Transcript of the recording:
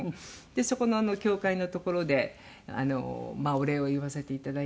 そこの教会の所でお礼を言わせていただいて。